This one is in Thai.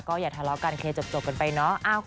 ก็อย่าทะเลาะกันเคยจบกันไปเนอะ